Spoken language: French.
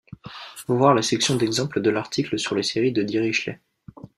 Voir la section d'exemples de l'article sur les séries de Dirichlet.